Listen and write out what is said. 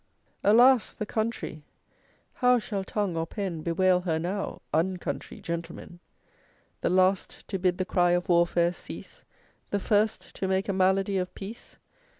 "Alas, the country! How shall tongue or pen Bewail her now, _un_country gentlemen! The last to bid the cry of warfare cease, The first to make a malady of peace!